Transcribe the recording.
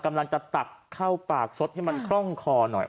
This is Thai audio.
กำลังจะตัดข้าวปากซดให้มันคล่องคอหน่อย